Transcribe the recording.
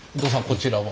こちらは？